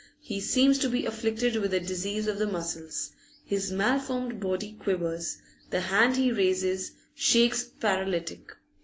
He seems to be afflicted with a disease of the muscles; his malformed body quivers, the hand he raises shakes paralytic.